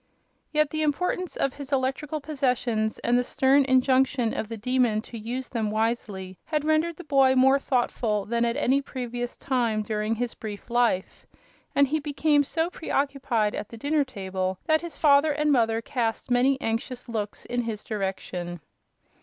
Yet the importance of his electrical possessions and the stern injunction of the Demon to use them wisely had rendered the boy more thoughtful than at any previous time during his brief life, and he became so preoccupied at the dinner table that his father and mother cast many anxious looks in his direction.